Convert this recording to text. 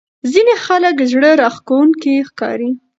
ځینې خلک زړه راښکونکي ښکاري.